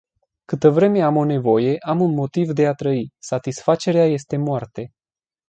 Câtă vreme am o nevoie, am un motiv de a trăi. Satisfacerea este moarte.